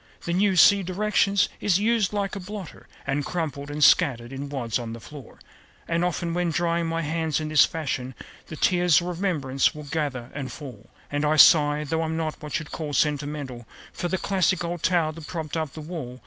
The new (see directions) is "used like a blotter," And crumpled and scattered in wads on the floor. And often, when drying my hands in this fashion, The tears of remembrance will gather and fall, And I sigh (though I'm not what you'd call sentimental) For the classic old towel that propped up the wall.